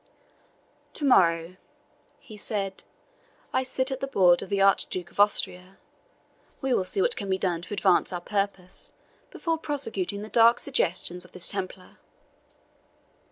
"To morrow," he said, "I sit at the board of the Archduke of Austria. We will see what can be done to advance our purpose before prosecuting the dark suggestions of this Templar."